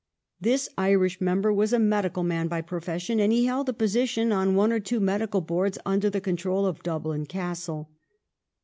This Irish member was a medi cal man by profession, and he held a position on one or two medical boards under the control of Dublin Castle.